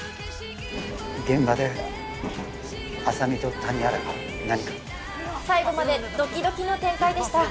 現場で浅見と谷原が何か最後までドキドキの展開でした